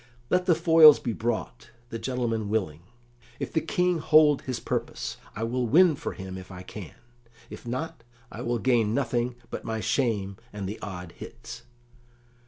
Let the foils be brought, the gentleman willing; if the King hold his purpose, I will win for him if I can; if not, I will gain nothing but my shame and the odd hits."